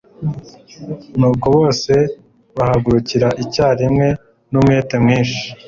nuko bose bahagurukira icyarimwe n'umwete mwinshi